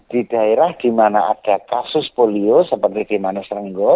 di daerah di mana ada kasus polio seperti di manis rengo